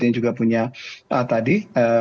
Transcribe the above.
yang juga punya tadi